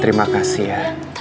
terima kasih ya